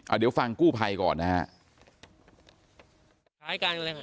อ่ะเดี๋ยวฟังกู้ไพก่อนนะฮะ